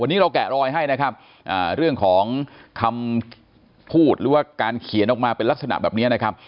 วันนี้เราแกะรอยให้นะครับเรื่องของคำพูดหรือว่าการเขียนออกมาเป็นลักษณะแบบนี้นะครับ